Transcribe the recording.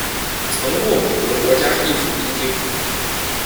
曾获美国国家艺术基金。